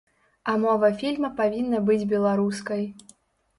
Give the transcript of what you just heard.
А мова фільма павінна быць беларускай.